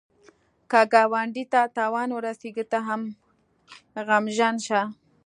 که ګاونډي ته تاوان ورسېږي، ته هم غمژن شه